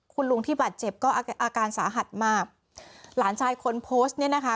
คุณลุงที่บาดเจ็บก็อาการสาหัสมากหลานชายคนโพสต์เนี่ยนะคะ